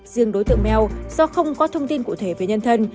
riêng đối tượng mel do không có thông tin cụ thể về nhân thân